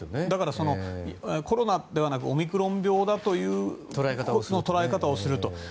だからコロナではなくオミクロン病だという捉え方をすると。